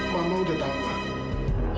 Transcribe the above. mama udah tahu ma